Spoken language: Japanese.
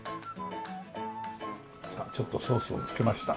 さあちょっとソースをつけました。